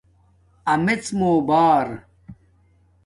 امیڎ مُو بار